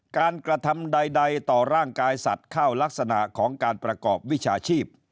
กระทำใดต่อร่างกายสัตว์เข้ารักษณะของการประกอบวิชาชีพ